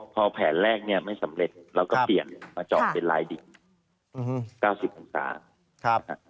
พอแผนแรกเนี่ยไม่สำเร็จเราก็เปลี่ยนมาเจาะเป็นลายดิน๙๐องศา